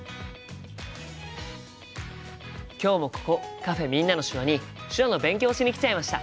今日もここカフェ「みんなの手話」に手話の勉強をしに来ちゃいました。